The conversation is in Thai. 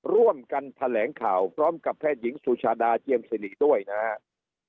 ร่วมกันแถลงข่าวพร้อมกับแพทย์หญิงสุชาดาเจียมสิริด้วยนะครับ